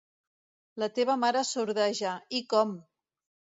La teva mare sordeja, i com!